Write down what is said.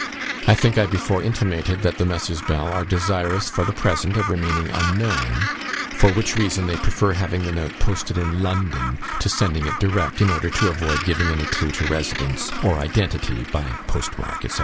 I think I before intimated, that the Messrs. Bell are desirous for the present of remaining unknown, for which reason they prefer having the note posted in London to sending it direct, in order to avoid giving any clue to residence, or identity by post mark, &c."